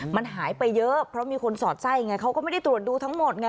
มันหายไปเยอะเพราะมีคนสอดไส้ไงเขาก็ไม่ได้ตรวจดูทั้งหมดไง